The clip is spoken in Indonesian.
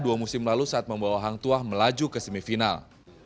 dua musim lalu saat membawa hangtua melaju ke semifinal